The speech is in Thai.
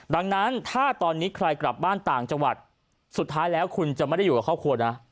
ดังนั้นถ้าตอนนี้ใครกลับบ้านต่างจังหวัดสุดท้ายแล้วคุณจะไม่ได้อยู่กับครอบครัวนะ